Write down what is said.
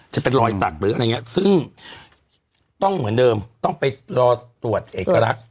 จะเป็นรอยสักหรืออะไรอย่างนี้ซึ่งต้องเหมือนเดิมต้องไปรอตรวจเอกลักษณ์